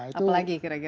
apa lagi kira kira